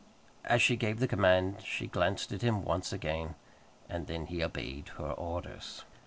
As she gave the command she glanced at him again, and then he obeyed her orders.